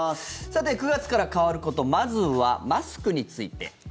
さて、９月から変わることまずはマスクについて。